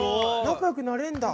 仲良くなれんだ！